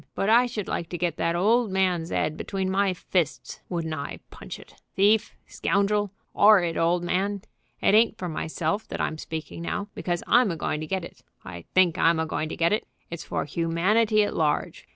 But I should like to get that old man's 'ead between my fists. Wouldn't I punch it! Thief! scoundrel! 'orrid old man! It ain't for myself that I'm speaking now, because I'm a going to get it, I think I'm a going to get it; it's for humanity at large.